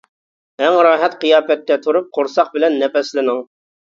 ئەڭ راھەت قىياپەتتە تۇرۇپ، قورساق بىلەن نەپەسلىنىڭ.